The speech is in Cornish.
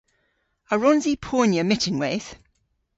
A wrons i ponya myttinweyth?